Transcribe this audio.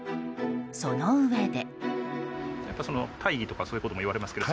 そのうえで。